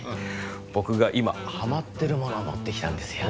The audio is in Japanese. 僕が今ハマってるものを持ってきたんですよ。